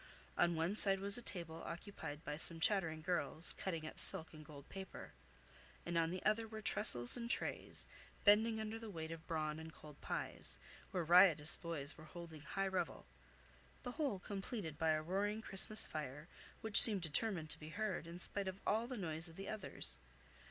On one side was a table occupied by some chattering girls, cutting up silk and gold paper; and on the other were tressels and trays, bending under the weight of brawn and cold pies, where riotous boys were holding high revel; the whole completed by a roaring Christmas fire, which seemed determined to be heard, in spite of all the noise of the others.